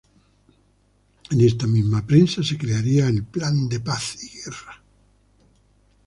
En esta misma prensa se crearía el "Plan de Paz y Guerra".